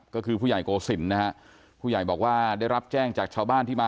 ก็เรียกกันมาเพื่อนมาหลายคนมาช่วยกันดูครับ